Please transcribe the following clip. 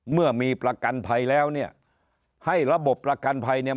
เมื่อมีประกันภัยแล้วเนี่ยให้ระบบประกันภัยเนี่ย